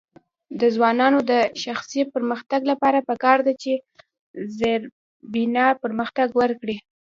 د ځوانانو د شخصي پرمختګ لپاره پکار ده چې زیربنا پرمختګ ورکړي.